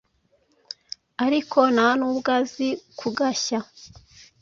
arko ntanubwo azi kugashya